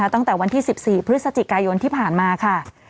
ตั้งแต่วันที่๑๔พฤศจิกายนที่ผ่านมาค่ะ